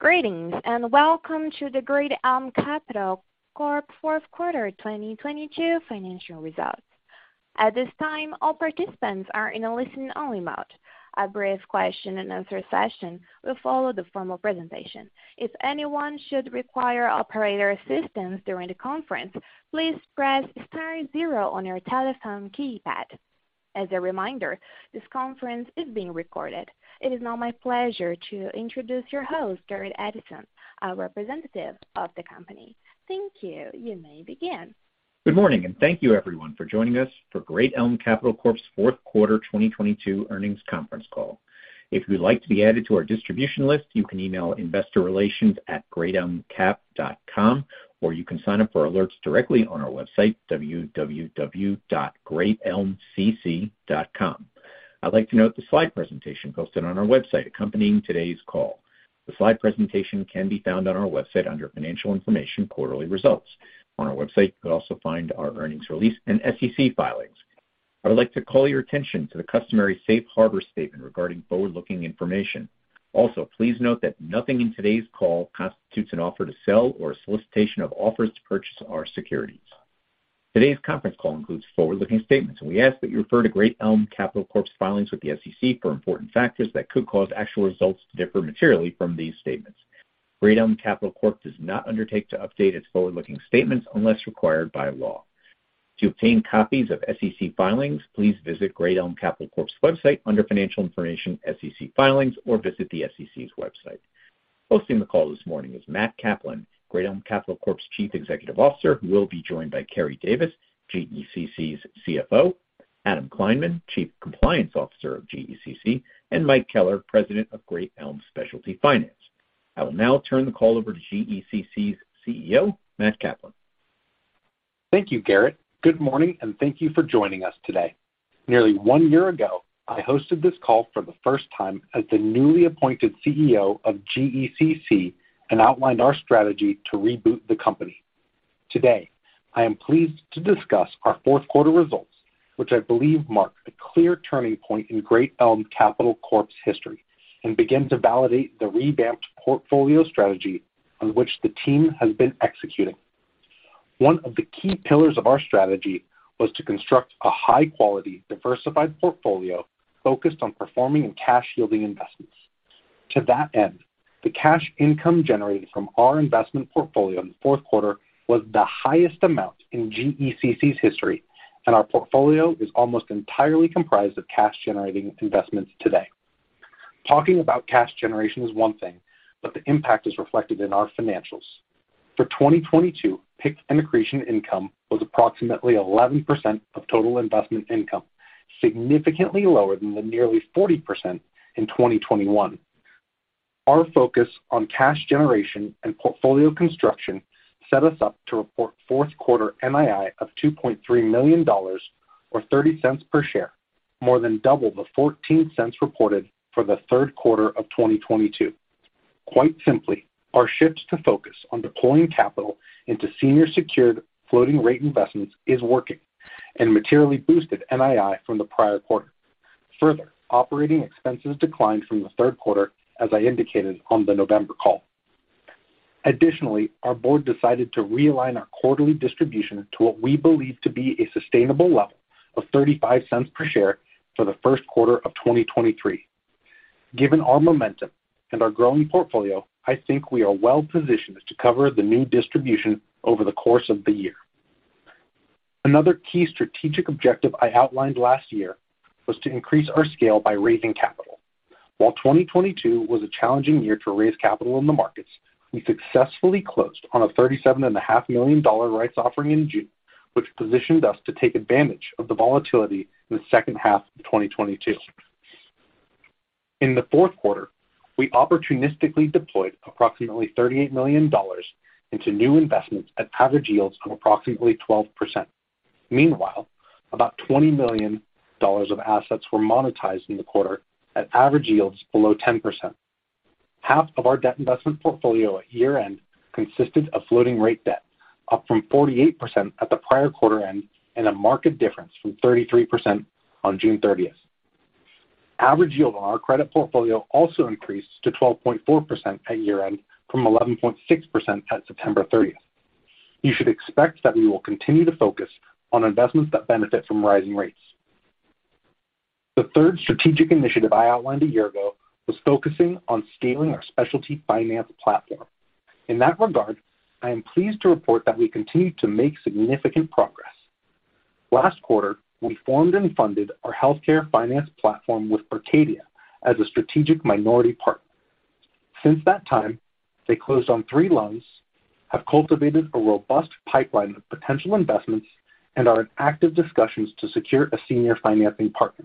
Greetings, welcome to the Great Elm Capital Corp 4th Quarter 2022 Financial Results. At this time, all participants are in a listen-only mode. A brief question and answer session will follow the formal presentation. If anyone should require operator assistance during the conference, please press star zero on your telephone keypad. As a reminder, this conference is being recorded. It is now my pleasure to introduce your host, Garrett Edson, a representative of the company. Thank you. You may begin. Good morning. Thank you everyone for joining us for Great Elm Capital Corp.'s 4th Quarter 2022 Earnings Conference Call. If you'd like to be added to our distribution list, you can email investorrelations@greatelmcap.com, or you can sign up for alerts directly on our website, www.greatelmcc.com. I'd like to note the slide presentation posted on our website accompanying today's call. The slide presentation can be found on our website under financial information, quarterly results. On our website, you can also find our earnings release and SEC filings. I would like to call your attention to the customary safe harbor statement regarding forward-looking information. Please note that nothing in today's call constitutes an offer to sell or a solicitation of offers to purchase our securities. Today's conference call includes forward-looking statements, and we ask that you refer to Great Elm Capital Corp.'s filings with the SEC for important factors that could cause actual results to differ materially from these statements. Great Elm Capital Corp. does not undertake to update its forward-looking statements unless required by law. To obtain copies of SEC filings, please visit Great Elm Capital Corp.'s website under financial information, SEC Filings, or visit the SEC's website. Hosting the call this morning is Matt Kaplan, Great Elm Capital Corp.'s Chief Executive Officer, who will be joined by Keri Davis, GECC's Chief Financial Officer, Adam Kleinman, Chief Compliance Officer of GECC, and Mike Keller, President of Great Elm Specialty Finance. I will now turn the call over to GECC's Chief Executive Officer, Matt Kaplan. Thank you, Garrett. Good morning, thank you for joining us today. Nearly one year ago, I hosted this call for the first time as the newly appointed Chief Executive Officer of GECC and outlined our strategy to reboot the company. Today, I am pleased to discuss our fourth quarter results, which I believe marked a clear turning point in Great Elm Capital Corp.'s history and begin to validate the revamped portfolio strategy on which the team has been executing. One of the key pillars of our strategy was to construct a high-quality, diversified portfolio focused on performing and cash-yielding investments. To that end, the cash income generated from our investment portfolio in the fourth quarter was the highest amount in GECC's history, and our portfolio is almost entirely comprised of cash-generating investments today. Talking about cash generation is one thing, the impact is reflected in our financials. For 2022, PIK and accretion income was approximately 11% of total investment income, significantly lower than the nearly 40% in 2021. Our focus on cash generation and portfolio construction set us up to report fourth quarter NII of $2.3 million or $0.30 per share, more than double the $0.14 reported for the third quarter of 2022. Quite simply, our shifts to focus on deploying capital into senior secured floating rate investments is working and materially boosted NII from the prior quarter. Operating expenses declined from the third quarter, as I indicated on the November call. Our board decided to realign our quarterly distribution to what we believe to be a sustainable level of $0.35 per share for the first quarter of 2023. Given our momentum and our growing portfolio, I think we are well-positioned to cover the new distribution over the course of the year. Another key strategic objective I outlined last year was to increase our scale by raising capital. While 2022 was a challenging year to raise capital in the markets, we successfully closed on a thirty-seven and a half million dollar rights offering in June, which positioned us to take advantage of the volatility in the second half of 2022. In the fourth quarter, we opportunistically deployed approximately $38 million into new investments at average yields of approximately 12%. Meanwhile, about $20 million of assets were monetized in the quarter at average yields below 10%. Half of our debt investment portfolio at year-end consisted of floating rate debt, up from 48% at the prior quarter end and a market difference from 33% on June 30th. Average yield on our credit portfolio also increased to 12.4% at year-end from 11.6% at September 30th. You should expect that we will continue to focus on investments that benefit from rising rates. The third strategic initiative I outlined a year ago was focusing on scaling our specialty finance platform. In that regard, I am pleased to report that we continue to make significant progress. Last quarter, we formed and funded our healthcare finance platform with Berkadia as a strategic minority partner. Since that time, they closed on three loans, have cultivated a robust pipeline of potential investments, and are in active discussions to secure a senior financing partner.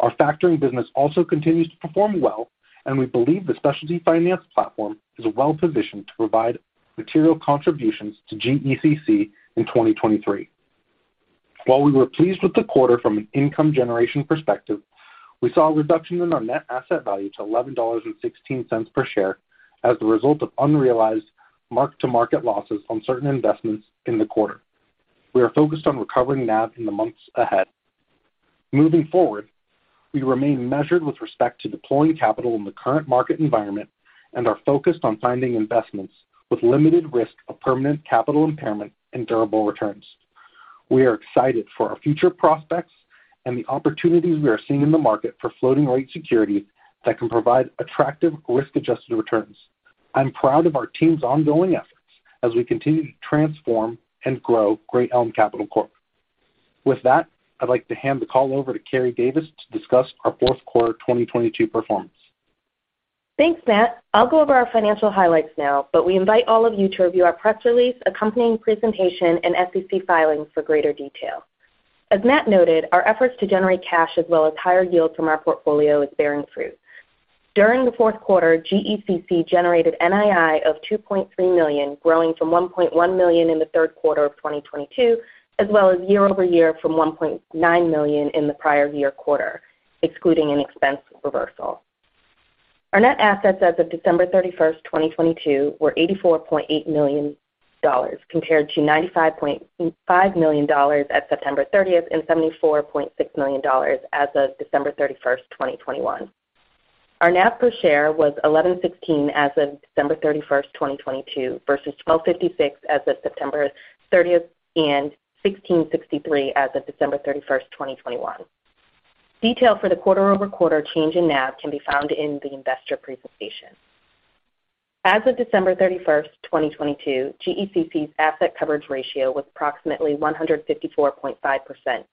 Our factoring business also continues to perform well. We believe the specialty finance platform is well-positioned to provide material contributions to GECC in 2023. While we were pleased with the quarter from an income generation perspective, we saw a reduction in our net asset value to $11.16 per share as the result of unrealized mark-to-market losses on certain investments in the quarter. We are focused on recovering NAV in the months ahead. Moving forward, we remain measured with respect to deploying capital in the current market environment and are focused on finding investments with limited risk of permanent capital impairment and durable returns. We are excited for our future prospects and the opportunities we are seeing in the market for floating rate security that can provide attractive risk-adjusted returns. I'm proud of our team's ongoing efforts as we continue to transform and grow Great Elm Capital Corp. With that, I'd like to hand the call over to Keri Davis to discuss our fourth quarter 2022 performance. Thanks, Matt. I'll go over our financial highlights now. We invite all of you to review our press release, accompanying presentation, and SEC filings for greater detail. As Matt noted, our efforts to generate cash as well as higher yields from our portfolio is bearing fruit. During the fourth quarter, GECC generated NII of $2.3 million, growing from $1.1 million in the third quarter of 2022, as well as year-over-year from $1.9 million in the prior year quarter, excluding an expense reversal. Our net assets as of December 31, 2022 were $84.8 million, compared to $95.5 million at September 30 and $74.6 million as of December 31, 2021. Our NAV per share was $11.16 as of December 31, 2022 versus $12.56 as of September 30 and $16.63 as of December 31, 2021. Detail for the quarter-over-quarter change in NAV can be found in the investor presentation. As of December 31, 2022, GECC's asset coverage ratio was approximately 154.5%,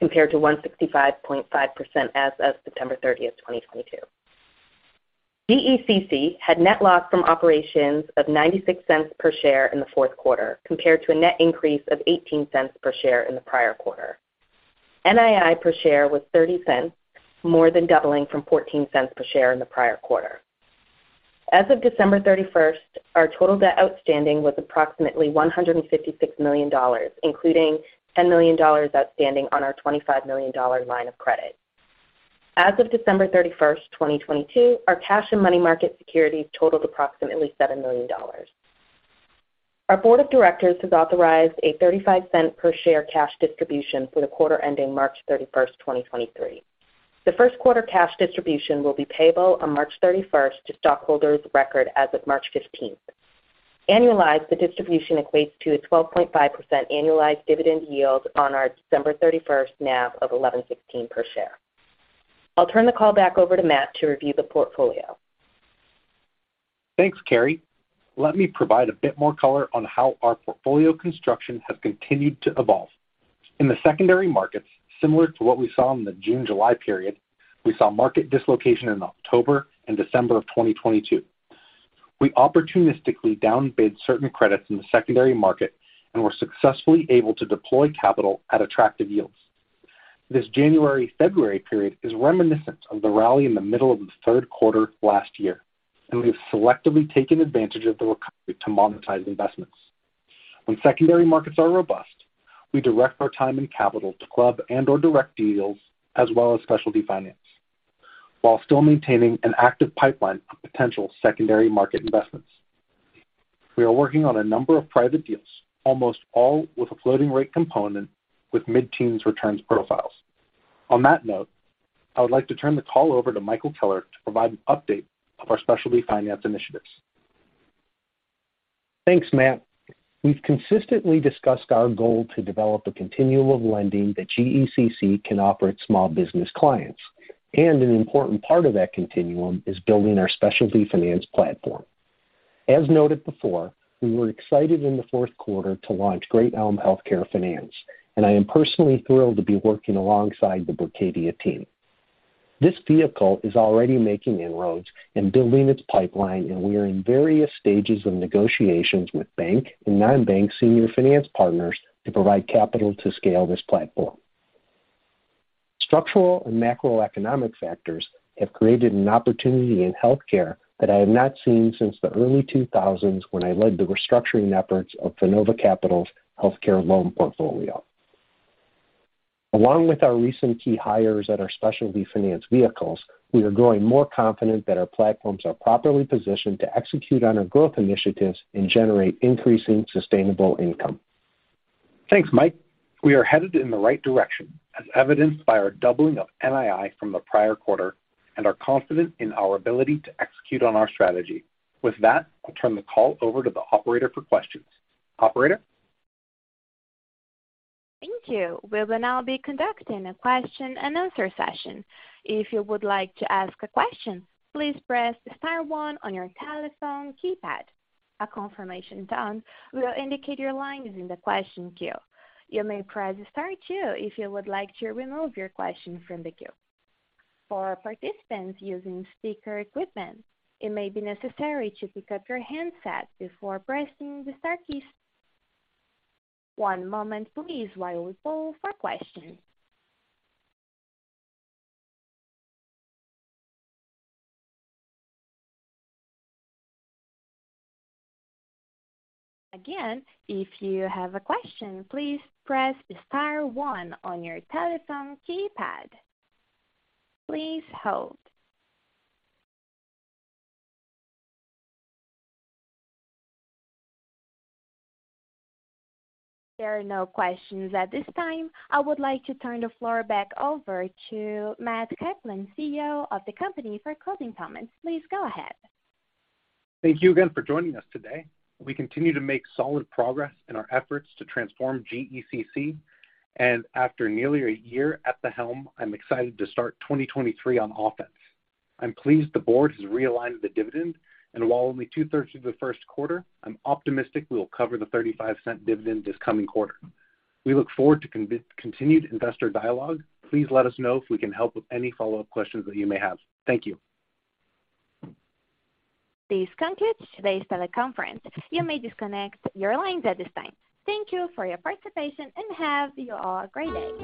compared to 165.5% as of September 30, 2022. GECC had net loss from operations of $0.96 per share in the fourth quarter, compared to a net increase of $0.18 per share in the prior quarter. NII per share was $0.30, more than doubling from $0.14 per share in the prior quarter. As of December thirty-first, our total debt outstanding was approximately $156 million, including $10 million outstanding on our $25 million line of credit. As of December thirty-first, 2022, our cash and money market securities totaled approximately $7 million. Our board of directors has authorized a $0.35 per share cash distribution for the quarter ending March thirty-first, 2023. The first quarter cash distribution will be payable on March thirty-first to stockholders record as of March fifteenth. Annualized, the distribution equates to a 12.5% annualized dividend yield on our December thirty-first NAV of $11.16 per share. I'll turn the call back over to Matt to review the portfolio. Thanks, Keri. Let me provide a bit more color on how our portfolio construction has continued to evolve. In the secondary markets, similar to what we saw in the June-July period, we saw market dislocation in October and December of 2022. We opportunistically downbid certain credits in the secondary market and were successfully able to deploy capital at attractive yields. This January-February period is reminiscent of the rally in the middle of the third quarter last year, and we've selectively taken advantage of the recovery to monetize investments. When secondary markets are robust, we direct our time and capital to club and/or direct deals as well as Specialty Finance, while still maintaining an active pipeline of potential secondary market investments. We are working on a number of private deals, almost all with a floating rate component with mid-teens returns profiles. On that note, I would like to turn the call over to Michael Keller to provide an update of our specialty finance initiatives. Thanks, Matt. We've consistently discussed our goal to develop a continuum of lending that GECC can offer its small business clients, and an important part of that continuum is building our specialty finance platform. As noted before, we were excited in the fourth quarter to launch Great Elm Healthcare Finance, and I am personally thrilled to be working alongside the Berkadia team. This vehicle is already making inroads and building its pipeline, and we are in various stages of negotiations with bank and non-bank senior finance partners to provide capital to scale this platform. Structural and macroeconomic factors have created an opportunity in healthcare that I have not seen since the early 2000 when I led the restructuring efforts of FINOVA Capital's healthcare loan portfolio. Along with our recent key hires at our specialty finance vehicles, we are growing more confident that our platforms are properly positioned to execute on our growth initiatives and generate increasing sustainable income. Thanks, Mike. We are headed in the right direction, as evidenced by our doubling of NII from the prior quarter, and are confident in our ability to execute on our strategy. With that, I'll turn the call over to the operator for questions. Operator? Thank you. We will now be conducting a question and answer session. If you would like to ask a question, please press star one on your telephone keypad. A confirmation tone will indicate your line is in the question queue. You may press star two if you would like to remove your question from the queue. For participants using speaker equipment, it may be necessary to pick up your handset before pressing the star keys. One moment please while we poll for questions. Again, if you have a question, please press star one on your telephone keypad. Please hold. There are no questions at this time. I would like to turn the floor back over to Matt Kaplan, Chief Executive Officer of the company, for closing comments. Please go ahead. Thank you again for joining us today. We continue to make solid progress in our efforts to transform GECC. After nearly a year at the helm, I'm excited to start 2023 on offense. I'm pleased the board has realigned the dividend, and while only two-thirds of the first quarter, I'm optimistic we will cover the $0.35 dividend this coming quarter. We look forward to continued investor dialogue. Please let us know if we can help with any follow-up questions that you may have. Thank you. This concludes today's teleconference. You may disconnect your lines at this time. Thank you for your participation, and have you all a great day.